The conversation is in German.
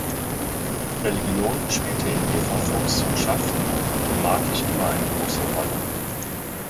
Religion spielte in Eva Fuchs Schaffen thematisch immer eine große Rolle.